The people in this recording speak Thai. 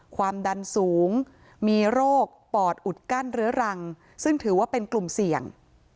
ความดันสูงมีโรคปอดอุดกั้นเรื้อรังซึ่งถือว่าเป็นกลุ่มเสี่ยง